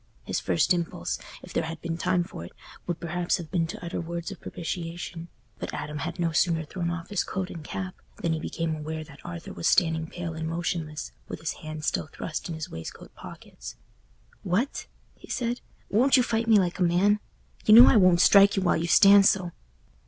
His first impulse, if there had been time for it, would perhaps have been to utter words of propitiation; but Adam had no sooner thrown off his coat and cap than he became aware that Arthur was standing pale and motionless, with his hands still thrust in his waistcoat pockets. "What!" he said, "won't you fight me like a man? You know I won't strike you while you stand so."